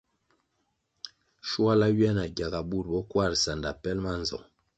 Shuala ywia na gyaga bur bo Kwarʼ sanda pelʼ ma nzong.